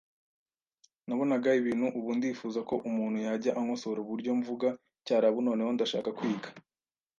nabonaga ibintu Ubu ndifuza ko umuntu yajya ankosora uburyo mvuga icyarabu Noneho ndashaka kwiga